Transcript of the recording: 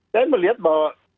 saya melihat bahwa